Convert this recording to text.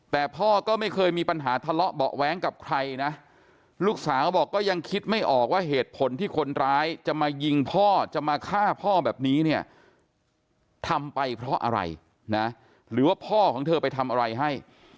แต่พ่อก็ไม่เคยมีปัญหาทะเลาะเบาะแว้งกับใครนะลูกสาวบอกก็ยังคิดไม่ออกว่าเหตุผลที่คนร้ายจะมายิงพ่อจะมาฆ่าพ่อแบบนี้เนี่ยทำไปเพราะอะไรนะหรือว่าพ่อของเธอไปทำอะไรให้